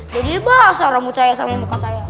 jadi basah rambut saya sama muka saya